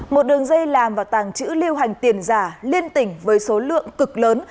một đường dây làm và tàng trữ lưu hành tiền giả liên tỉnh với số lượng cực lớn